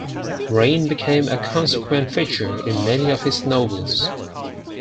Rain became a consequent feature in many of his novels.